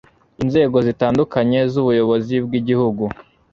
inzego zitandukanye z'ubuyobozi bw'igihugu